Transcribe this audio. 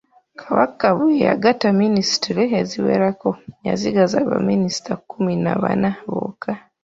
Kabaka bwe yagatta minisitule eziwerako yasigaza ba minisita kkumi na bana bokka.